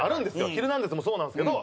『ヒルナンデス！』もそうなんですけど。